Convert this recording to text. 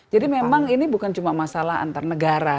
jadi memang ini bukan cuma masalah antar negara